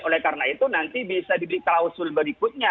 oleh karena itu nanti bisa diberi klausul berikutnya